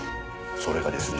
それがですね。